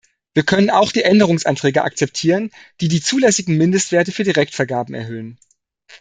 Wir können auch die Änderungsanträge akzeptieren, die die zulässigen Mindestwerte für Direktvergaben erhöhen.